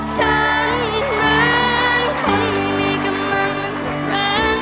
ฉันเหมือนคนไม่มีกำลังมันแข็งแรง